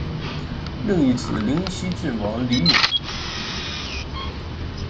另一子灵溪郡王李咏。